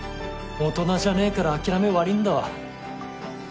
大人じゃねえから諦め悪いんだわ